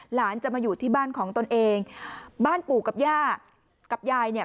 หลานจะมาอยู่ที่บ้านของตนเองบ้านปู่กับย่ากับยายเนี่ย